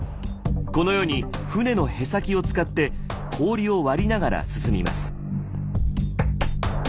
このように船のへさきを使って氷を割りながら進みます。